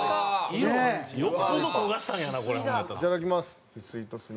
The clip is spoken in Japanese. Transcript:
いただきます。